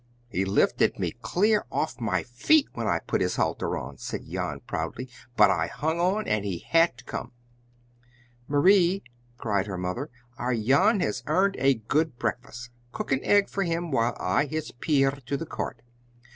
"He lifted me clear off my feet when I put his halter on," said Jan proudly, "but I hung on and he had to come!" "Marie," cried her mother, "our Jan has earned a good breakfast! Cook an egg for him, while I hitch Pier to the cart.